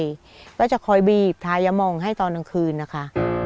ก็จะคอยบีบทายะมองให้ตอนกลางคืนนะคะ